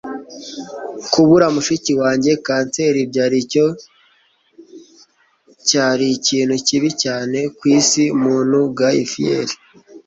kubura mushiki wanjye kanseri byari icyo cyari ikintu kibi cyane ku isi, muntu. - guy fieri